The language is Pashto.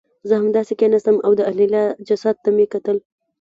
زه همداسې کېناستم او د انیلا جسد ته مې کتل